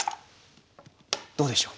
どうでしょう？